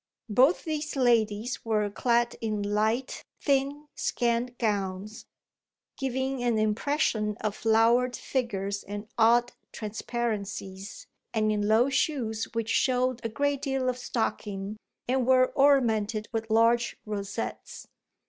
Both these ladies were clad in light, thin, scant gowns, giving an impression of flowered figures and odd transparencies, and in low shoes which showed a great deal of stocking and were ornamented with large rosettes.